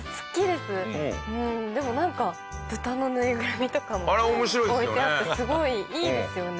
でもなんかブタのぬいぐるみとかも置いてあってすごいいいですよね。